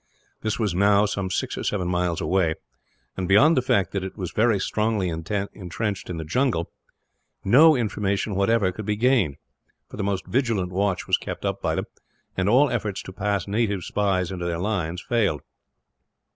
This was now some six or seven miles away and, beyond the fact that it was very strongly intrenched in the jungle, no information whatever could be gained; for the most vigilant watch was kept up by them, and all efforts to pass native spies into their lines failed.